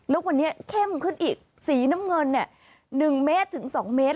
แล้ววันนี้เข้มขึ้นอีกสีน้ำเงิน๑เมตรถึง๒เมตร